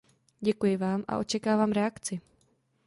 Děkuji vám a očekávám reakci.